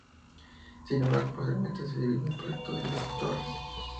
Sin embargo, posteriormente se dividió el proyecto en dos torres.